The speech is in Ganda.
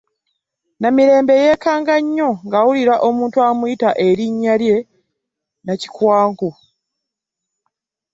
Namirembe yeekanga nnyo ng'awulira omuntu amuyita erinnya lye Nakikwakku.